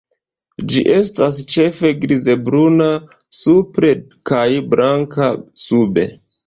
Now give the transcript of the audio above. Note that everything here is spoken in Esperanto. Ĝi estas ĉefe grizbruna supre kaj blanka sube.